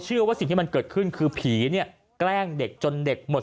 สิ่งที่มันเกิดขึ้นคือผีเนี่ยแกล้งเด็กจนเด็กหมด